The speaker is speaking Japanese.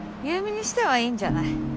優美にしてはいいんじゃない？